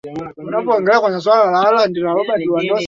abbott alikuwa mshiriki wa kikosi cha wokovu